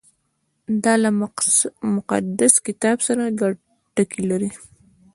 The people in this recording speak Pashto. • دا له مقدس کتاب سره ګډ ټکي لري.